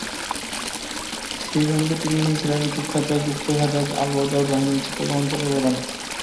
সেই সঙ্গে তিনি ছিলেন কুখ্যাত গুপ্তঘাতক আলবদর বাহিনীর চট্টগ্রাম অঞ্চলের প্রধান।